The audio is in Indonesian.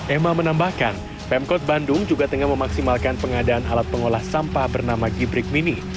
emma menambahkan pemkot bandung juga tengah memaksimalkan pengadaan alat pengolah sampah bernama gibrik mini